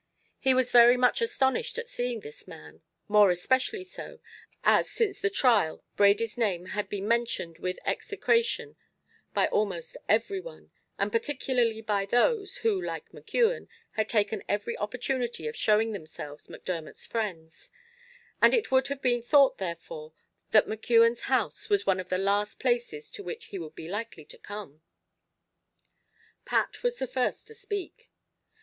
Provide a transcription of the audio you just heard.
He was very much astonished at seeing this man; more especially so, as since the trial Brady's name had been mentioned with execration by almost every one, and particularly by those, who like McKeon, had taken every opportunity of showing themselves Macdermot's friends; and it would have been thought therefore that McKeon's house was one of the last places to which he would be likely to come. Pat was the first to speak.